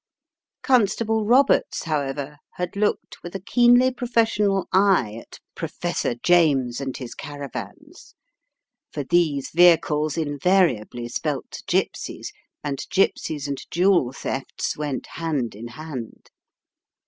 Constable Roberts, however, had looked with a keenly professional eye at Professor James and his caravans, for these vehicles invariably spelt gypsies, and gypsies and jewel thefts went hand in hand.